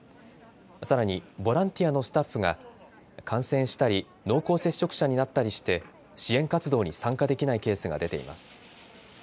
さらにボランティアのスタッフが感染したり濃厚接触者になったりして支援活動に参加できないケースが出ています。